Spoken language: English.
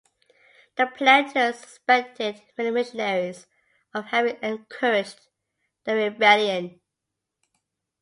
The planters suspected many missionaries of having encouraged the rebellion.